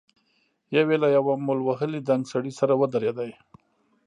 يو يې له يوه مول وهلي دنګ سړي سره ودرېد.